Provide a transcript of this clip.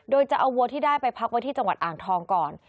โดยจะเอาวัวที่ได้ไปพักไว้ที่จังหวัดอ่างทองก่อน